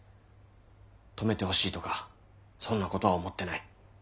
止めてほしいとかそんなことは思ってない。